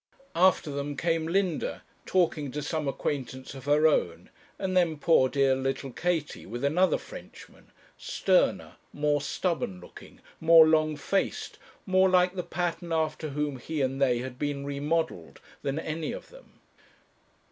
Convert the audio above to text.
After them came Linda, talking to some acquaintance of her own, and then poor dear little Katie with another Frenchman, sterner, more stubborn looking, more long faced, more like the pattern after whom he and they had been remodelled, than any of them.